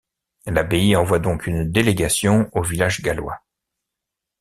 L'abbaye envoie donc une délégation au village gallois.